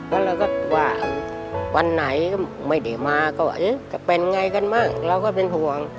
ก็เราก็ว่าวันไหนไม่ได้มาก็ว่าเอ๊ะจะเป็นไงกันบ้างเราก็เป็นห่วง